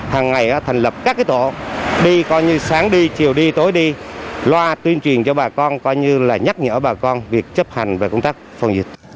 hằng ngày thành lập các tổ đi sáng đi chiều đi tối đi loa tuyên truyền cho bà con nhắc nhở bà con việc chấp hành về công tác phòng dịch